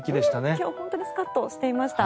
今日、本当にスカッとしていました。